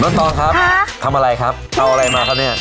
ตองครับทำอะไรครับเอาอะไรมาครับเนี่ย